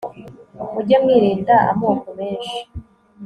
mujye mwirinda amoko menshi